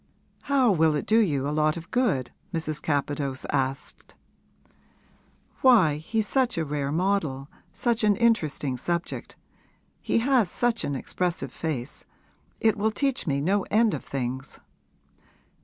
'How will it do you a lot of good?' Mrs. Capadose asked. 'Why, he's such a rare model such an interesting subject. He has such an expressive face. It will teach me no end of things.'